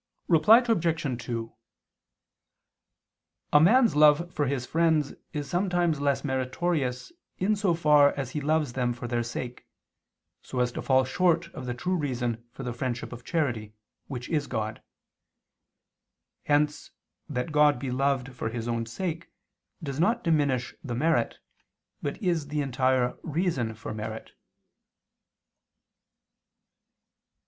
Reply Obj. 2: A man's love for his friends is sometimes less meritorious in so far as he loves them for their sake, so as to fall short of the true reason for the friendship of charity, which is God. Hence that God be loved for His own sake does not diminish the merit, but is the entire reason for merit.